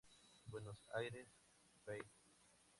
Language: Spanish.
Buenos Aires, pág.